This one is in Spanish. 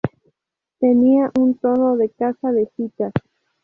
Tenía un tono de casa de citas.